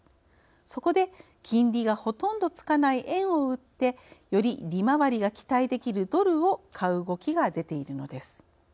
そこで金利がほとんどつかない円を売ってより利回りが期待できるドルを買う動きが出ているのです。